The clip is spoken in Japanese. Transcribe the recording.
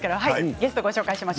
ゲストをご紹介します。